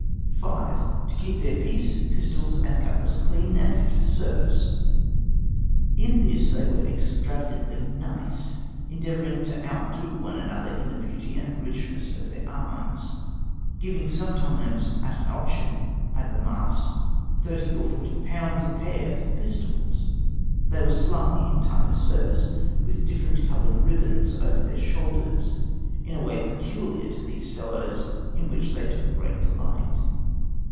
V To keep their piece, pistols, and cutlass clean, and fit for service. (In this they were extravagantly nice, endeavoring to outdo one another in the beauty and richness of their arms, giving sometimes at an auction at the mast £30 or £40 a pair for pistols. These were slung in time of service, with different colored ribbons, over their shoulders, in a way peculiar to these fellows, in which they took great delight.)